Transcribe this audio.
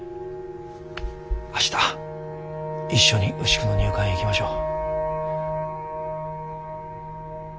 明日一緒に牛久の入管へ行きましょう。